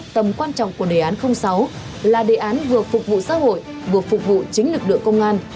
tầm quan trọng của đề án sáu là đề án vừa phục vụ xã hội vừa phục vụ chính lực lượng công an